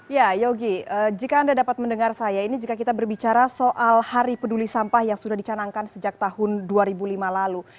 ya yogi jika anda dapat mendengar saya ini jika kita berbicara soal hari peduli sampah yang sudah dicanangkan sejak tahun dua ribu lima lalu